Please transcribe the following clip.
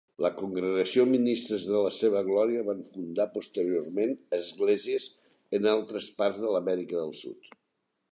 La congregació Ministres de la seva glòria van fundar posteriorment esglésies en altres parts d'Amèrica de Sud.